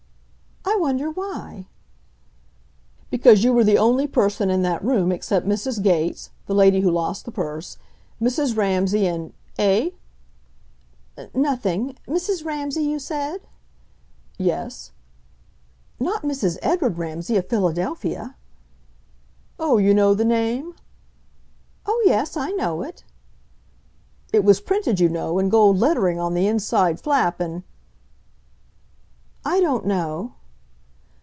"I wonder why?" "Because you were the only person in that room except Mrs. Gates, the lady who lost the purse, Mrs. Ramsay, and eh?" "N nothing. Mrs. Ramsay, you said?" "Yes." "Not Mrs. Edward Ramsay, of Philadelphia?" "Oh, you know the name?" "Oh, yes, I know it." "It was printed, you know, in gold lettering on the inside flap and " "I don't know."